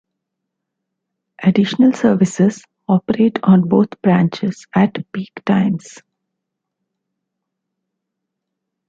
Additional services operate on both branches at peak times.